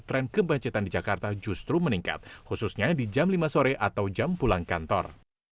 tren kemacetan di jakarta justru meningkat khususnya di jam lima sore atau jam pulang kantor